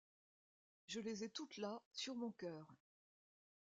Je les ai toutes là, sur mon cœur.